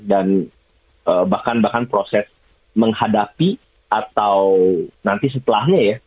dan bahkan bahkan proses menghadapi atau nanti setelahnya ya